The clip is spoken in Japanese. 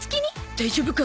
大丈夫か？